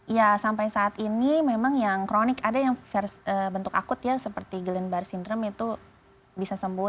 ya sampai saat ini memang yang kronik ada yang bentuk akut ya seperti glenn barre syndrome itu bisa sembuh